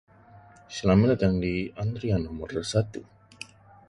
The scientific name refers to the male flowers having five stamens.